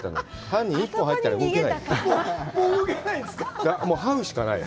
犯人１歩入ったら動けない。